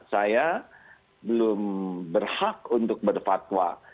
saya belum berhak untuk berfatwa